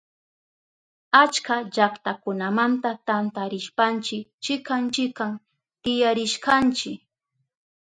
Achka llaktakunamanta tantarishpanchi chikan chikan tiyarishkanchi.